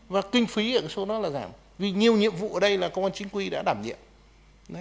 và kinh phí ở số đó là giảm vì nhiều nhiệm vụ ở đây là công an chính quy đã đảm nhiệm